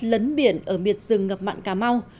lấn biển ở biệt rừng ngập mặn cà mau